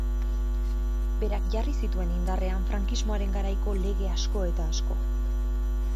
Berak jarri zituen indarrean frankismoaren garaiko lege asko eta asko.